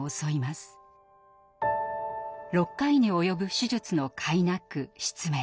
６回に及ぶ手術のかいなく失明。